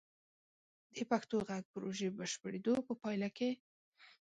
د پښتو غږ پروژې بشپړیدو په پایله کې: